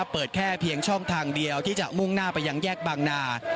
เปิดแค่เพียงช่องทางเดียวที่จะมุ่งหน้าไปยังแยกบางนา